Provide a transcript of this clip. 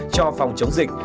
cho phòng chống dịch